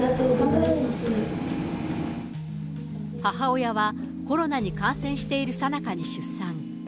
母親は、コロナに感染しているさなかに出産。